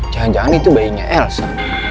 jangan jangan itu bayinya elsa